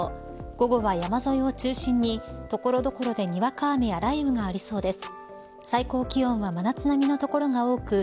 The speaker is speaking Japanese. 午後は山沿いを中心に所々でにわか雨や雷雨がありそうです。